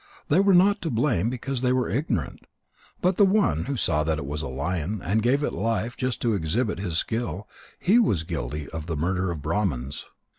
They were not to blame because they were ignorant. But the one who saw that it was a lion and gave it life just to exhibit his skill, he was guilty of the murder of Brahmans."